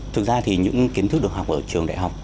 thực ra thì những kiến thức được học ở trường đại học